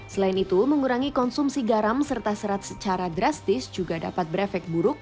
selain itu mengurangi konsumsi garam serta serat secara drastis juga dapat berefek buruk